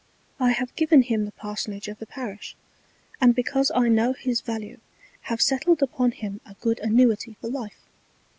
I have given him the Parsonage of the Parish; and because I know his Value have settled upon him a good Annuity for Life.